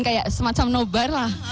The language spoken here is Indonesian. kayak semacam nobar lah